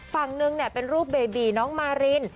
ฝั่งนึงเป็นรูปเบบีน้องมาริน